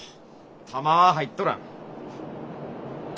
弾は入っとらん。